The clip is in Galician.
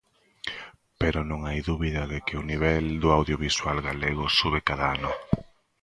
Pero non hai dúbida de que o nivel do audiovisual galego sube cada ano.